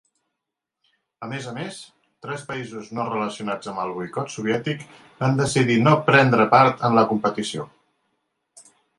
A més a més, tres països no relacionats amb el boicot soviètic van decidir no prendre part en la competició.